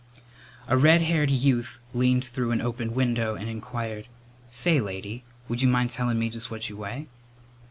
A red haired youth leaned through an open window and inquired, "Say, lady, would you mind tellin' me just what you weigh?"